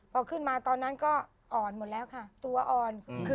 พอขึ้นมาตอนนั้นก็อ่อนหมดแล้วค่ะตัวอ่อน